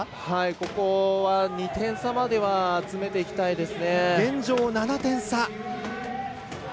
ここは、２点差までは詰めていきたいです。